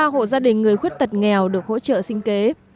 bốn mươi ba hộ gia đình người khuyết tật nghèo được hỗ trợ sinh kế